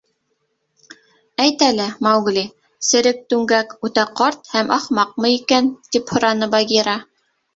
— Әйт әле, Маугли, Серек Түңгәк үтә ҡарт һәм ахмаҡмы икән? — тип һораны Багира.